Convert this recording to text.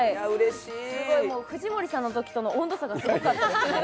藤森さんのときとの温度差がすごかったですね。